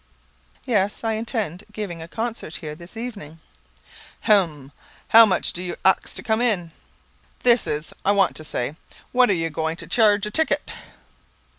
"Yes; I intend giving a concert here this evening." "Hem! How much dew you ax to come in? That is I want to say what are you goin' to chearge a ticket?"